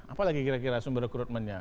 apa lagi kira kira sumber rekrutmennya